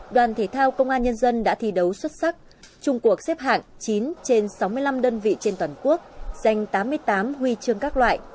đoàn thể thao công an nhân dân đã thi đấu xuất sắc trung cuộc xếp hạng chín trên sáu mươi năm đơn vị trên toàn quốc dành tám mươi tám huy chương các loại